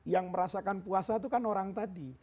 yang merasakan puasa itu kan orang tadi